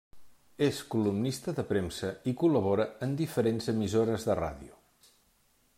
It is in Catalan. És columnista de premsa i col·labora en diferents emissores de ràdio.